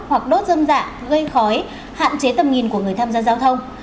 hoặc đốt dâm giả gây khói hạn chế tầm nghìn của người tham gia giao thông